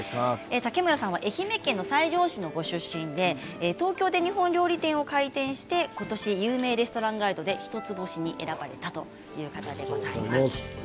竹村さんは愛媛県の西条市のご出身で東京で日本料理店を開店して、ことし有名レストランガイドで一つ星に選ばれたという方でございます。